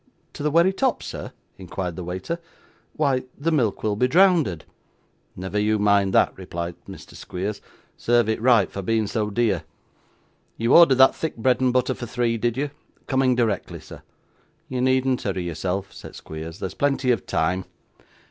'To the wery top, sir?' inquired the waiter. 'Why, the milk will be drownded.' 'Never you mind that,' replied Mr. Squeers. 'Serve it right for being so dear. You ordered that thick bread and butter for three, did you?' 'Coming directly, sir.' 'You needn't hurry yourself,' said Squeers; 'there's plenty of time.